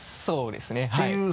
そうですねはい。